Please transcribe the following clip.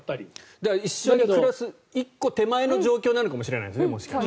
一緒に暮らす１個手前の状況なのかもしれないですね。